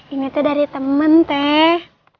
ini tuh dari temen teh